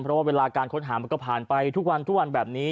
เพราะว่าเวลาการค้นหามันก็ผ่านไปทุกวันทุกวันแบบนี้